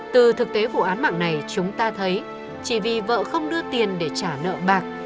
từ thực tế vụ án mạng này chúng ta thấy chỉ vì vợ không đưa tiền để trả nợ bạc